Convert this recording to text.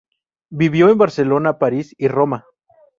Vivió en Barcelona, París y Roma.